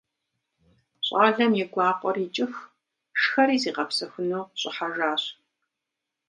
Щӏалэм и гуакъуэр икӏыху шхэри зигъэпсэхуну щӏыхьэжащ.